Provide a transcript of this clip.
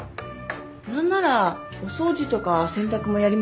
何ならお掃除とか洗濯もやりますよ。